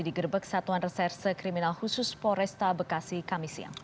digerebek satuan reserse kriminal khusus poresta bekasi kamisiam